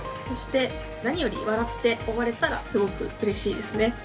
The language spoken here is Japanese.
そして、何より笑って終われたらすごくうれしいですね。